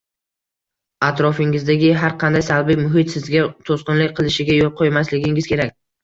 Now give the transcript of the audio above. Atrofingizdagi har qanday salbiy muhit sizga to’sqinlik qilishiga yo’l qo’ymasligingiz kerak